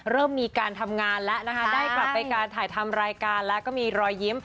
เริ่มมีการทำงานแล้วนะคะได้กลับไปการถ่ายทำรายการแล้วก็มีรอยยิ้ม